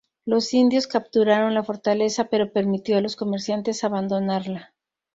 Los indios capturaron la fortaleza, pero permitió a los comerciantes abandonarla.